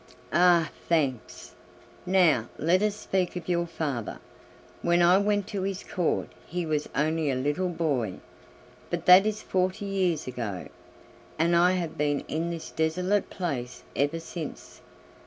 Ah! thanks. Now let us speak of your father. When I went to his Court he was only a little boy, but that is forty years ago, and I have been in this desolate place ever since.